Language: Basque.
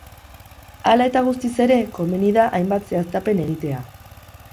Hala eta guztiz ere, komeni da hainbat zehaztapen egitea.